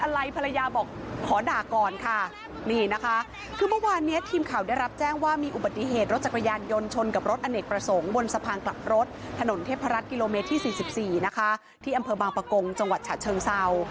ภรรยาบอกขอด่าก่อนค่ะนี่นะคะคือเมื่อวานเนี้ยทีมข่าวได้รับแจ้งว่ามีอุบัติเหตุรถจักรยานยนต์ชนกับรถอเนกประสงค์บนสะพานกลับรถถนนเทพรัฐกิโลเมตรที่๔๔นะคะที่อำเภอบางประกงจังหวัดฉะเชิงเศร้า